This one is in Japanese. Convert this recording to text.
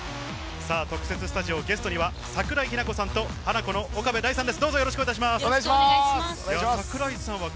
特設スタジオ、ゲストには桜井日奈子さんとハナコの岡部大さんです。